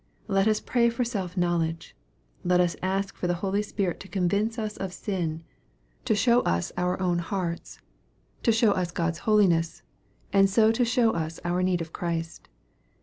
Let us pray for self knowledge. Let us rsk for the Holy Spirit to convince as of sin, to show us oar MARK, CHAP. X. 209 own hearts, to show us God's holiness, and so to show us our need of Christ.